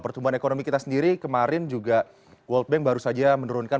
pertumbuhan ekonomi kita sendiri kemarin juga world bank baru saja menurunkan